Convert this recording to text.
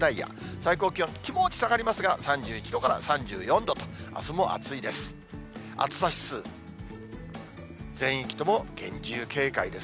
最高気温、気持ち下がりますが、３１度から３４度とあすも暑いです。